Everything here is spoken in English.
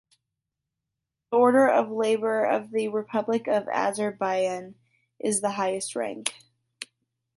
The Order of Labor of the Republic of Azerbaijan is the highest rank.